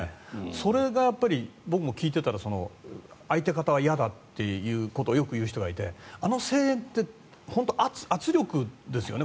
それが僕も聞いていたら相手方は嫌だということを言う人がいてあの声援って圧力ですよね